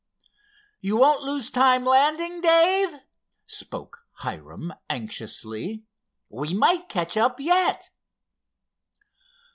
"You won't lose time landing, Dave?" spoke Hiram anxiously. "We might catch up yet."